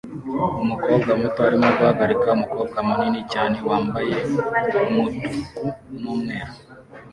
Umukobwa muto arimo guhagarika umukobwa munini cyane wambaye umutuku n'umweru